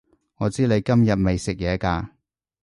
我知你今日未食嘢㗎